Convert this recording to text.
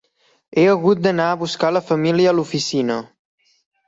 He hagut d'anar a buscar la família a l'oficina.